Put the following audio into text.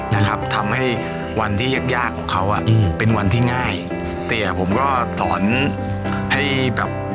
นะครับทำให้วันที่ยากยากของเขาอ่ะอืมเป็นวันที่ง่ายแต่ผมก็สอนให้แบบ